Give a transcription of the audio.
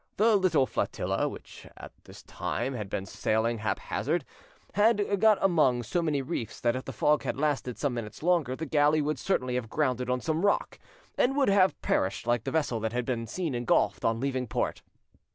The little flotilla, which all this time had been sailing haphazard, had got among so many reefs that if the fog had lasted some minutes longer the galley would certainly have grounded on some rock, and would have perished like the vessel that had been seen engulfed on leaving port.